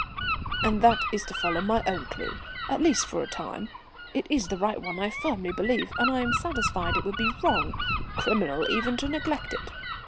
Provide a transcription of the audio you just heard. "And that is to follow my own clue, at least for a time. It is the right one I firmly believe, and I am satisfied it would be wrong, criminal even to neglect it.